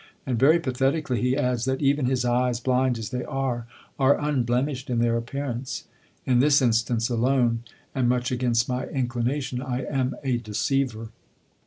And very pathetically he adds, "that even his eyes, blind as they are, are unblemished in their appearance; in this instance alone, and much against my inclination, I am a deceiver!"